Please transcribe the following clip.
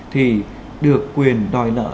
thì được quyền đòi nợ